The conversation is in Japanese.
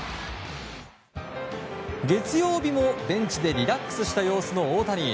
月曜日もベンチでリラックスした様子の大谷。